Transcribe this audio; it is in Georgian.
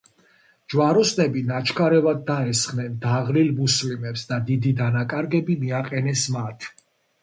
ჯვაროსნები ნაჩქარევად დაესხნენ დაღლილ მუსლიმებს და დიდი დანაკარგები მიაყენეს მათ.